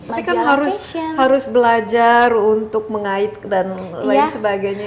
tapi kan harus belajar untuk mengait dan lain sebagainya